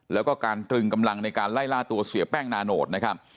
แล้วก็การตรึงกำลังในการไล่ล่าตัวเสียแป้งนาโนตนะครับ